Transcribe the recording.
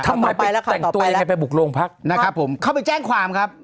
ทำไมไปแต่งตัวยังไงไปบุกโรงพักนะครับผมเข้าไปแจ้งความครับ